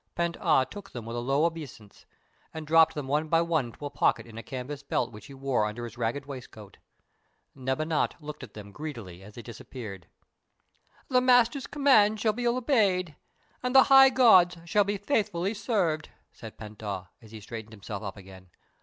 Pent Ah took them with a low obeisance, and dropped them one by one into a pocket in a canvas belt which he wore under his ragged waistcoat. Neb Anat looked at them greedily as they disappeared. "The Master's commands shall be obeyed, and the High Gods shall be faithfully served," said Pent Ah, as he straightened himself up again.